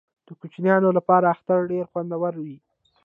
د کوچنیانو لپاره اختر ډیر خوندور وي.